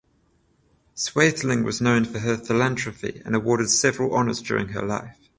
Swaythling was known for her philanthropy and awarded several honours during her life.